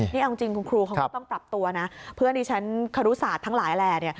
นี่เอาจริงคุณครูเขาก็ต้องปรับตัวนะเพื่อนที่ฉันครุศาสตร์ทั้งหลายแหละ